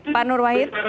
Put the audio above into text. pak nur wahid